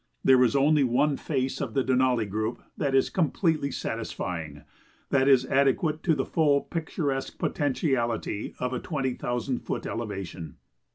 There is only one face of the Denali group that is completely satisfying, that is adequate to the full picturesque potentiality of a twenty thousand foot elevation.